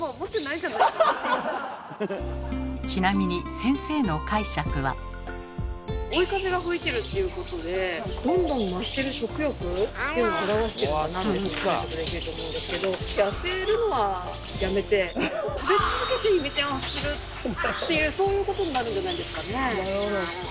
ちなみに「追い風が吹いてる」っていうことでどんどん増してる食欲っていうのを表してるのかなという解釈できると思うんですけど痩せるのはやめて食べ続けてイメチェンをするっていうそういうことになるんじゃないんですかねえ。